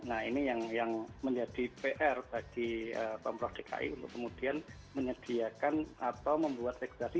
nah ini yang menjadi pr bagi pemprov dki untuk kemudian menyediakan atau membuat regulasi